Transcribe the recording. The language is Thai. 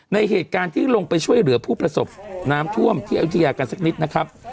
ในเหตุการณ์ที่ลงไปช่วยเหลือผู้ประสบน้ำท่วมที่อายุทยากันสักนิดนะครับ